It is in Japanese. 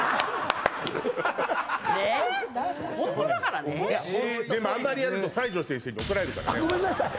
ホントだからねでもあんまりやると西条先生にごめんなさい